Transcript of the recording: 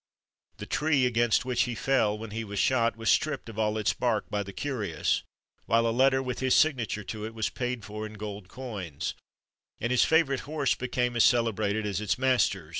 The tree against which he fell when he was shot, was stripped of all its bark by the curious; while a letter, with his signature to it, was paid for in gold coins; and his favourite horse became as celebrated as its master.